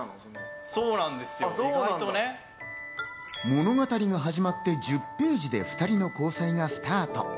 物語が始まって１０ページで２人の交際がスタート。